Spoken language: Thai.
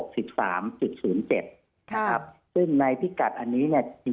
ซึ่งในพิกัดอันนี้เนี่ย